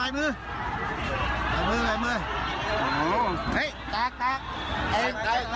ต่อไป